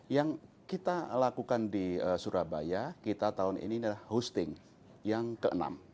yang kita lakukan di surabaya kita tahun ini adalah hosting yang ke enam